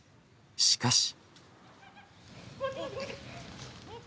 しかし。